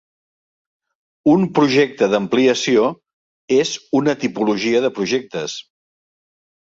Un projecte d'ampliació és una tipologia de projectes.